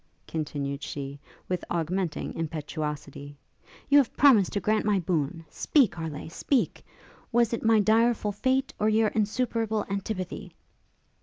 continued she, with augmenting impetuosity; 'you have promised to grant my boon, speak, Harleigh, speak! was it my direful fate, or your insuperable antipathy?'